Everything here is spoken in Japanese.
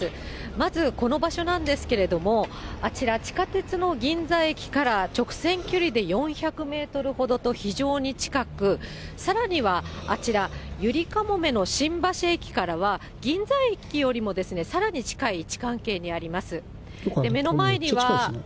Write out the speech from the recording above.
まず、この場所なんですけれども、あちら、地下鉄の銀座駅から直線距離で４００メートルほどと非常に近く、さらにはあちら、ゆりかもめの新橋駅からは銀座駅よりもさらに近い位置関係にあります。